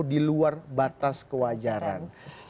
diluar batas kewajaran